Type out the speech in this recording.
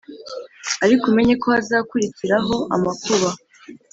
ariko umenye ko hazakurikiraho amakuba.